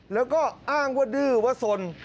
แล้วก็อ้างว่าดื้อว่าสน